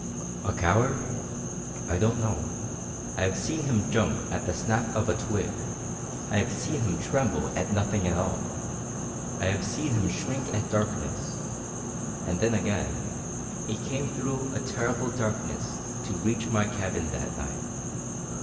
"A coward? I don't know. I have seen him jump at the snap of a twig. I have seen him tremble at nothing at all. I have seen him shrink at darkness, and then, again, he came through a terrible darkness to reach my cabin that night.